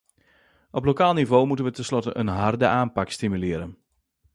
Op lokaal niveau moeten we ten slotte een harde aanpak stimuleren.